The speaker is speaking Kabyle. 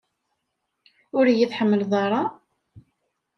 Ur iyi-tḥemmel ara?